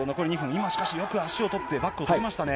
今、しかしよく足を取って、バックを取りましたね。